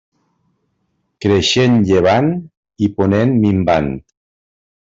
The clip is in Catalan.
Creixent llevant i ponent minvant.